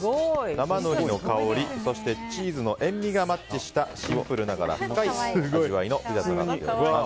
生のりの香りそしてチーズの塩みがマッチしたシンプルながら深い味わいのピザとなっております。